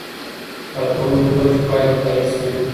کارکوونکي وویل چې پایلې تایید شوې.